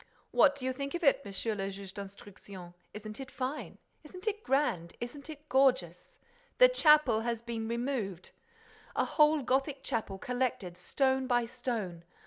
"What do you think of it, Monsieur le Juge d'Instruction? Isn't it fine? Isn't it grand? Isn't it gorgeous? The chapel has been removed! A whole Gothic chapel collected stone by stone!